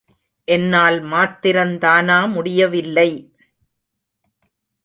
என்னால் மாத்திரந்தானா முடியவில்லை.